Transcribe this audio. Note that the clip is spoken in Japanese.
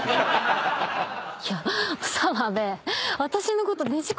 いや澤部。